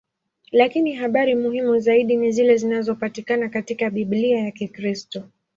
Lakini habari muhimu zaidi ni zile zinazopatikana katika Biblia ya Kikristo.